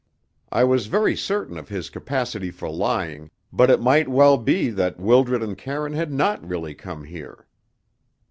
I was very certain of his capacity for lying, but it might well be that Wildred and Karine had not really come here.